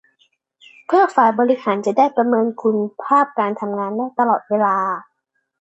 เพื่อฝ่ายบริหารจะได้ประเมินคุณภาพการทำงานได้ตลอดเวลา